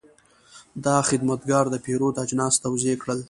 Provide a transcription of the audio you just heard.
دا خدمتګر د پیرود اجناس توضیح کړل.